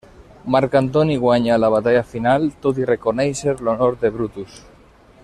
Marc Antoni guanya la batalla final, tot i reconèixer l'honor de Brutus.